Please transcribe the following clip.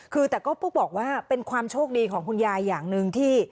คือแต่ก็ปุ๊กบอกว่าเป็นความโชคดีของคุณยายอย่างหนึ่งที่